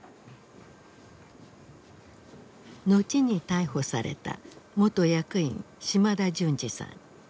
後に逮捕された元役員島田順司さん。